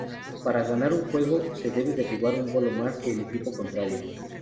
Para ganar un juego se debe derribar un bolo más que el equipo contrario.